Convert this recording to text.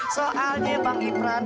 soalnya bang iprand